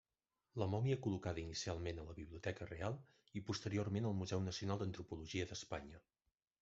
La mòmia col·locada inicialment a la Biblioteca Real i posteriorment al Museu Nacional d'Antropologia d'Espanya.